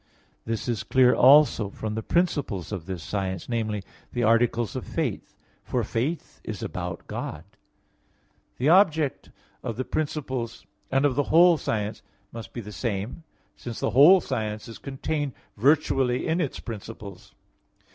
This is clear also from the principles of this science, namely, the articles of faith, for faith is about God. The object of the principles and of the whole science must be the same, since the whole science is contained virtually in its principles.